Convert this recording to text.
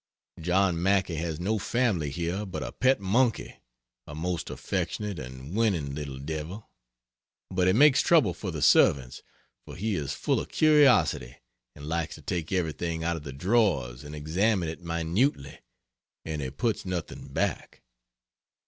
John Mackay has no family here but a pet monkey a most affectionate and winning little devil. But he makes trouble for the servants, for he is full of curiosity and likes to take everything out of the drawers and examine it minutely; and he puts nothing back.